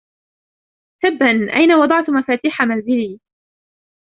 تبا، أين وضعت مفاتيح منزلي؟